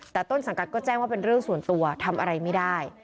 แต่ต้นสังกัดก็แจ้งว่าเป็นเรื่องส่วนตัวทำอะไรไม่ได้